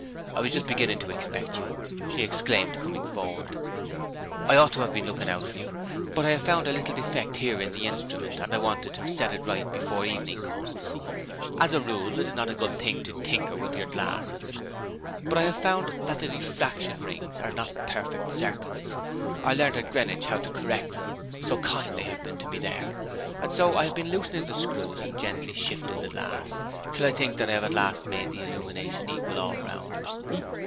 I was just beginning to expect you,' he exclaimed, coming forward. 'I ought to have been looking out for you, but I have found a little defect here in the instrument, and I wanted to set it right before evening comes on. As a rule it is not a good thing to tinker your glasses; but I have found that the diffraction rings are not perfect circles. I learnt at Greenwich how to correct them so kind they have been to me there! and so I have been loosening the screws and gently shifting the glass, till I think that I have at last made the illumination equal all round.